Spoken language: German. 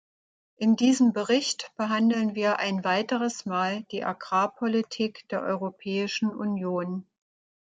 In diesem Bericht behandeln wir ein weiteres Mal die Agrarpolitik der Europäischen Union.